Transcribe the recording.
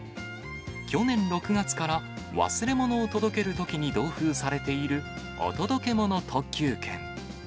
去年６月から、忘れ物を届けるときに同封されているお届け物特急券。